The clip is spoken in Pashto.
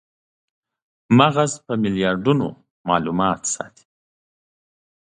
مغز په میلیاردونو ذرې مالومات ساتي.